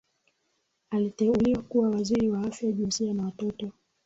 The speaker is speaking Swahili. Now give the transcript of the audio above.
Aliteuliwa kuwa waziri wa Afya Jinsia na Watoto